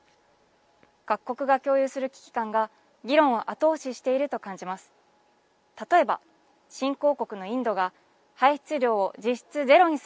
各国が共有する危機感が議論を後押ししていると感じます。